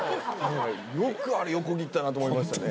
よくあれ横切ったなと思いましたね